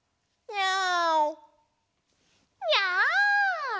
ニャオ！